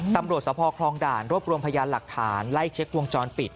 ตำรวจสภคลองด่านรวบรวมพยานหลักฐานไล่เช็ควงจรปิด